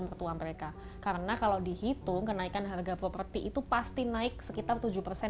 mertua mereka karena kalau dihitung kenaikan harga properti itu pasti naik sekitar tujuh persen